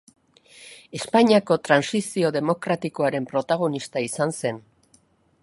Espainiako Trantsizio Demokratikoaren protagonista izan zen.